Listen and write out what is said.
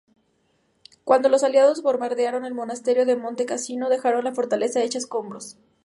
Cuando los Aliados bombardearon el monasterio de Monte Cassino, dejaron la fortaleza hecha escombros.